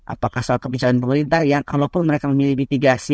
apakah soal kebijakan pemerintah ya kalaupun mereka memilih mitigasi